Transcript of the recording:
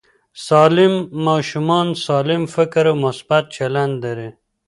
سالم ماشومان سالم فکر او مثبت چلند لري.